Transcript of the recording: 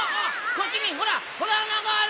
こっちにほらほらあながある！